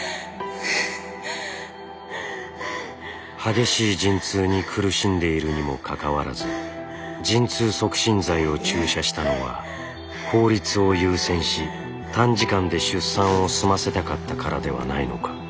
激しい陣痛に苦しんでいるにもかかわらず陣痛促進剤を注射したのは効率を優先し短時間で出産を済ませたかったからではないのか。